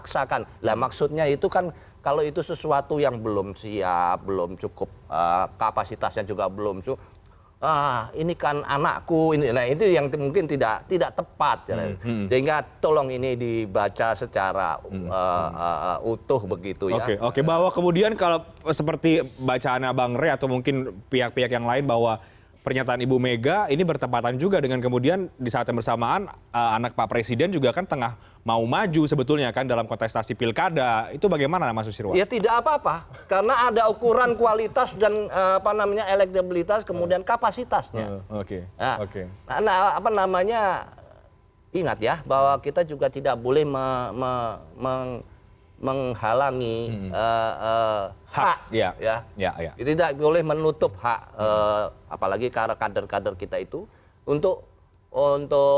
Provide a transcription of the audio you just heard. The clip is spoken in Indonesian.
saya kira selain itu ke dalam saya sebetulnya berharap itu dibuat aturan